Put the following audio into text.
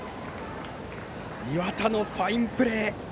岩田のファインプレー。